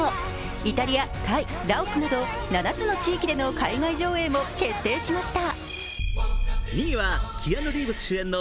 イタリア、タイ、ラオスなど７つの地域での海外上映も決定しました。